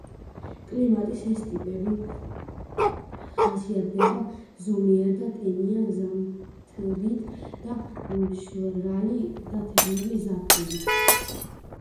კლიმატის ეს ტიპები ხასიათდება ზომიერი და ტენიანი ზამთრით და მშრალი და თბილი ზაფხულით.